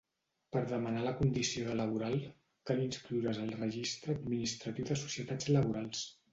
Per demanar la condició de laboral cal inscriure's al Registre Administratiu de Societats Laborals.